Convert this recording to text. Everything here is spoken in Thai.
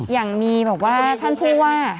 อย่างมีแบบว่าท่านผู้ว่า